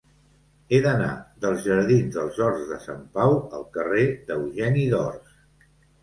He d'anar dels jardins dels Horts de Sant Pau al carrer d'Eugeni d'Ors.